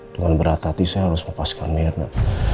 dengan berat hati saya harus lepaskan mirna